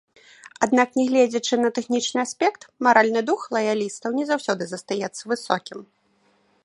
Аднак нягледзячы на тэхнічны аспект, маральны дух лаялістаў не заўсёды застаецца высокім.